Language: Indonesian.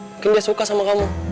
mungkin dia suka sama kamu